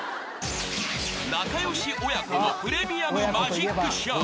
［仲良し親子のプレミアムマジックショー］